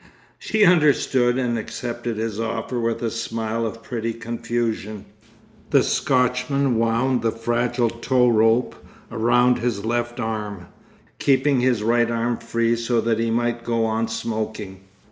She understood and accepted his offer with a smile of pretty confusion. The Scotchman wound the fragile tow rope round his left arm, keeping his right arm free so that he might go on smoking.